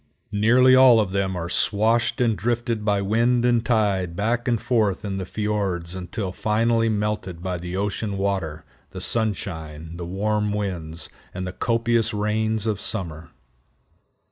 Nearly all of them are swashed and drifted by wind and tide back and forth in the fiords until finally melted by the ocean water, the sunshine, the warm winds, and the copious rains of summer.